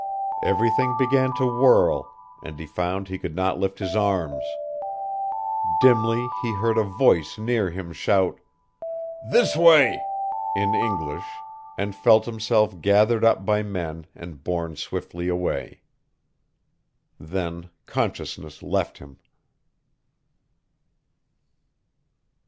Everything began to whirl, and he found he could not lift his arms. Dimly he heard a voice near him shout: "This way!" in English and felt himself gathered up by men and borne swiftly away. Then consciousness left him.